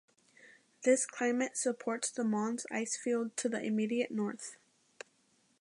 This climate supports the Mons Icefield to the immediate north.